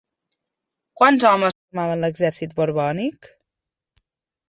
Quants homes formaven l'exèrcit borbònic?